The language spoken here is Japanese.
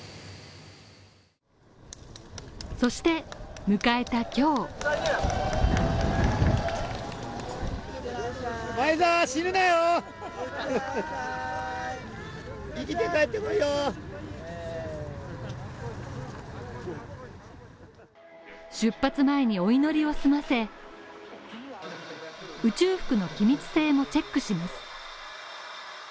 そして迎えた今日出発前にお祈りを済ませ宇宙服の気密性もチェックします。